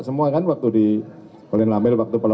saya tidak tahu